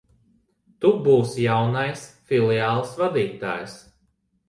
Tu būsi jaunais filiāles vadītājs.